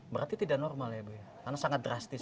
berarti tidak normal ya bu karena sangat drastis